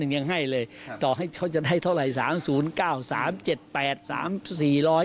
๒๕๑ยังให้เลยต่อให้เขาจะได้เท่าไร